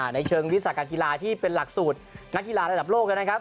ในเชิงวิสาการกีฬาที่เป็นหลักสูตรนักกีฬาระดับโลกแล้วนะครับ